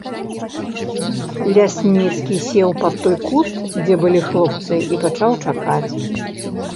Лясніцкі сеў пад той куст, дзе былі хлопцы, і пачаў чакаць.